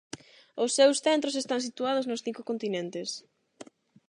Os seus centros están situados nos cinco continentes.